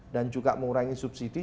dan juga mengurangi subsidi